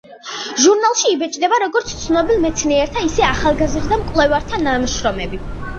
ჟურნალში იბეჭდება როგორც ცნობილ მეცნიერთა, ისე ახალგაზრდა მკვლევართა ნაშრომები.